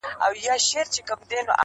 شين د شانه معلومېږي.